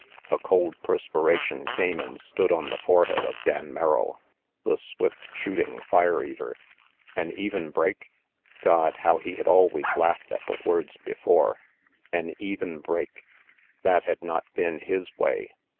A cold perspiration came and stood on the forehead of Dan Merrill, the swift shooting fire eater. An even break? God, how he had always laughed at the words before! An even break? That had not been his way.